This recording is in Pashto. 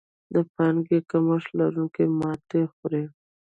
د پانګې کمښت لرونکي ماتې خوري.